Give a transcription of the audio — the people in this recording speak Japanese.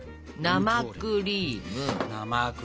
生クリーム。